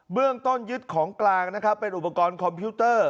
เรื่องต้นยึดของกลางนะครับเป็นอุปกรณ์คอมพิวเตอร์